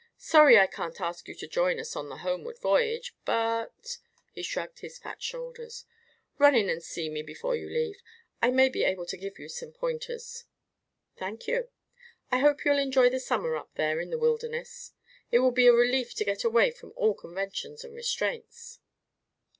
Sorry I can't ask you to join us on the homeward voyage, but " he shrugged his fat shoulders. "Run in and see me before you leave. I may be able to give you some pointers." "Thank you. I hope you'll enjoy the summer up there in the wilderness. It will be a relief to get away from all conventions and restraints."